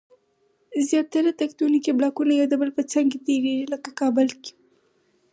زیاره تکتونیکي بلاکونه یو د بل په څنګ پورې تېریږي. لکه کابل کې